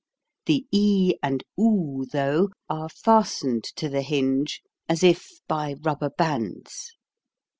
The e and do, though, are fastened to the hinge as if by rubber bands.